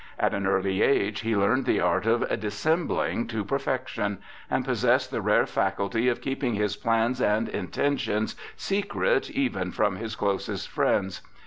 At an early age he learned the art of dissembling to perfection, and possessed the rare faculty of keeping his plans and intentions secret even from his closest friends.